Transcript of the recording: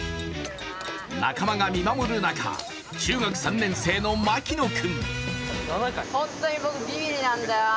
仲間が見守る中中学３年生の牧野君。